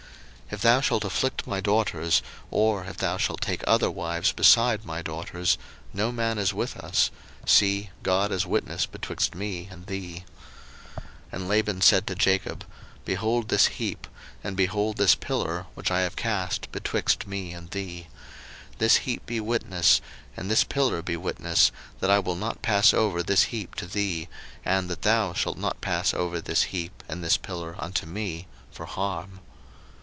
01:031:050 If thou shalt afflict my daughters, or if thou shalt take other wives beside my daughters, no man is with us; see, God is witness betwixt me and thee. 01:031:051 And Laban said to Jacob, Behold this heap, and behold this pillar, which I have cast betwixt me and thee: 01:031:052 This heap be witness, and this pillar be witness, that I will not pass over this heap to thee, and that thou shalt not pass over this heap and this pillar unto me, for harm.